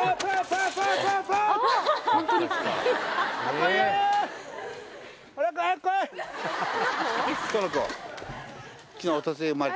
この子。